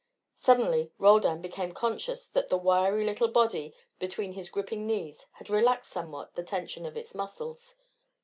Suddenly Roldan became conscious that the wiry little body between his gripping knees had relaxed somewhat the tension of its muscles.